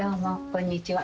こんにちは。